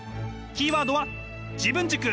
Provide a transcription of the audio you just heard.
キーワードは自分軸！